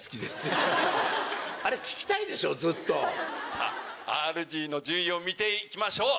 さぁＲＧの順位を見ていきましょう！